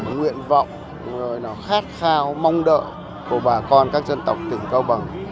nguyện vọng khát khao mong đợi của bà con các dân tộc tỉnh cao bằng